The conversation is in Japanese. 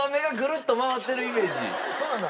そうなんだ。